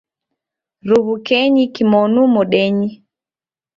Ruw'ukenyi kimonu modenyi